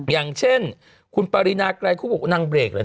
อย่างเช่นคุณปารินาไกรคู่บอกว่านางเบรกหรอเนี่ย